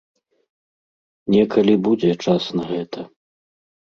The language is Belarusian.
Некалі будзе час на гэта.